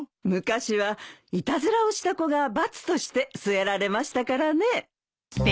昔はいたずらをした子が罰として据えられましたからね。